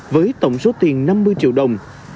với tổng số tiền năm mươi triệu đồng